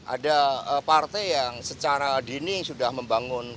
ada partai yang secara dini sudah membangun